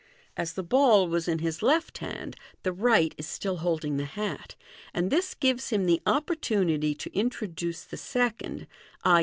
As the ball was in his left hand, the right is still holding the hat, and this gives him the opportunity to Fig. 139. introduce the second (i.